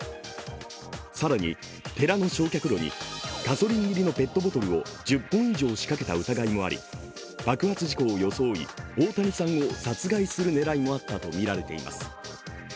更に寺の焼却炉にガソリン入りのペットボトルを１０本以上仕掛けた疑いもあり、爆発事故を装い大谷さんを殺害する狙いもあったとみられています。